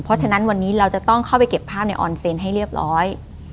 เพราะฉะนั้นวันนี้เราจะต้องเข้าไปเก็บภาพในออนเซนให้เรียบร้อย